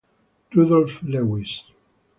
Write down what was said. Rudolph Lewis